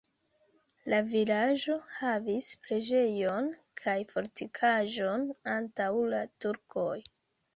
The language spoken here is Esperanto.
La vilaĝo havis preĝejon kaj fortikaĵon antaŭ la turkoj.